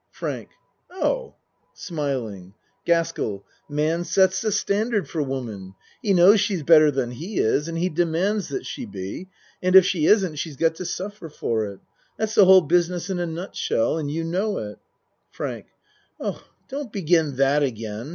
FRANK Oh !( Smiling. ) GASKELL Man sets the standard for woman. He knows she's better then he is and he demands that she be and if she isn't she's got to suffer for it. That's the whole business in a nut shell and you know it. FRANK Oh, don't begin that again.